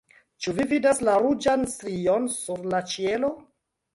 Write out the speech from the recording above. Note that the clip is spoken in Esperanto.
ĉu vi vidas la ruĝan strion sur la ĉielo?